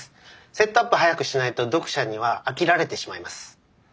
セットアップ早くしないと読者には飽きられてしまいます。